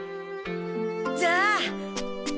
じゃあ！